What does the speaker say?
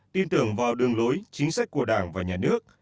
tin tưởng vào đường lối chính sách của đảng và nhà nước